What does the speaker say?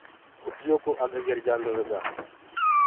ڦُٽِيو ڪو اَگھ گِرجآنٚدو هيگآ